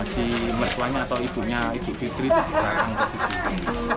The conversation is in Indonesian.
si meswanya atau ibunya itu fitri di belakang posisi